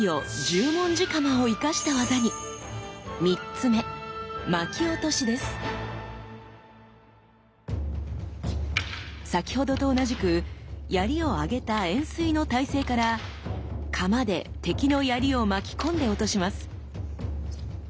３つ目先ほどと同じく槍を上げた円錐の体勢から鎌で敵の槍を巻き込んで落とします。